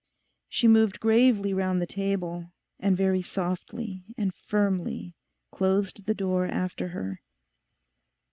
She moved gravely round the table and very softly and firmly closed the door after her.